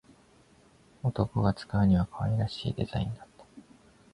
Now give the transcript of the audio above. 男が使うには可愛らしいデザインだった